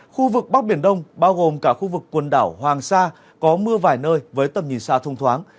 khu vực bắc biển đông bao gồm cả khu vực quần đảo hoàng sa có mưa vài nơi với tầm nhìn xa thông thoáng